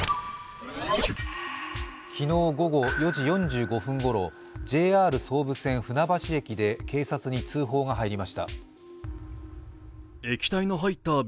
昨日午後４時４５分ごろ、ＪＲ総武線・船橋駅で警察に通報が入りました。